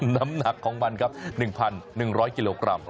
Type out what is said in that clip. น้ำหนักของมันครับ๑๑๐๐กิโลกรัม